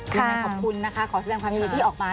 ยังไงขอบคุณนะคะขอแสดงความยินดีที่ออกมา